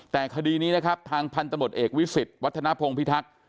แต่คดีนี้นะครับทางพันธมตเอกวิสิตวัฒนภงพิทักษ์